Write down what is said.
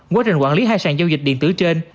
qua trình quản lý hai sàng giao dịch điện tử trên